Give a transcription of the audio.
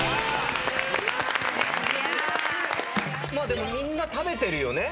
でもみんな食べてるよね